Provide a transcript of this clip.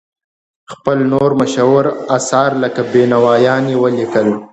خپل نور مشهور اثار لکه بینوایان یې ولیکل.